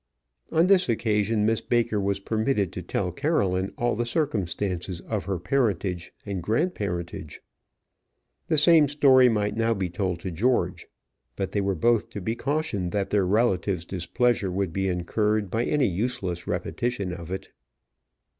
On this occasion Miss Baker was permitted to tell Caroline all the circumstances of her parentage and grandparentage. The same story might now be told to George. But they were both to be cautioned that their relative's displeasure would be incurred by any useless repetition of it.